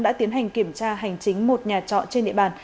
đã tiến hành kiểm tra hành chính một nhà trọ trên địa bàn